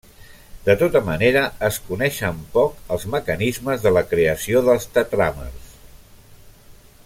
De tota manera es coneixen poc els mecanismes de la creació dels tetràmers.